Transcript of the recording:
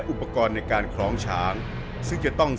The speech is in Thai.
ชื่องนี้ชื่องนี้ชื่องนี้ชื่องนี้ชื่องนี้